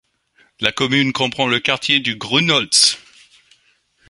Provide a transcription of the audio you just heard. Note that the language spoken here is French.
La commune comprend le quartier de Grünholz.